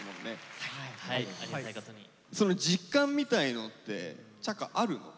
その実感みたいのってちゃかあるの？